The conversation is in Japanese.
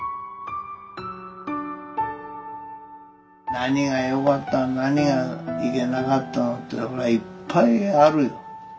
何がよかった何がいけなかったのってそれはいっぱいあるよ。ね。